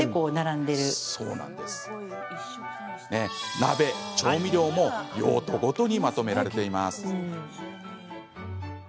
鍋、調味料と用途ごとにまとめられています。